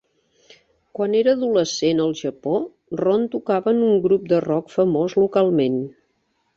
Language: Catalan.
Quan era adolescent al Japó, Ron tocava en un grup de rock famós localment.